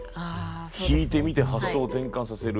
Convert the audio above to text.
引いてみて発想を転換させる。